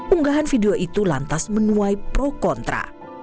unggahan video itu lantas menuai pro kontra